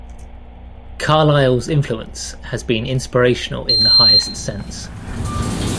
Carlyle's influence has been inspirational in the highest sense.